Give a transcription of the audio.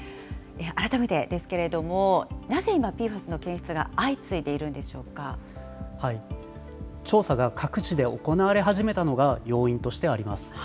改めてですけれども、なぜ今、ＰＦＡＳの検出が相次いでいるんで調査が各地で行われ始めたのが、要因としてあります。